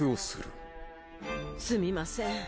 すみません。